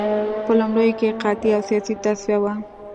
په لومړیو کې قحطي او سیاسي تصفیه وه